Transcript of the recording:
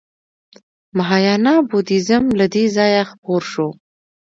مهایانا بودیزم له دې ځایه خپور شو